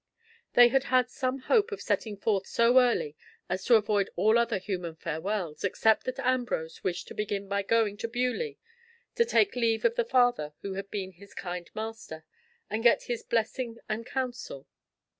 They had had some hope of setting forth so early as to avoid all other human farewells, except that Ambrose wished to begin by going to Beaulieu to take leave of the Father who had been his kind master, and get his blessing and counsel.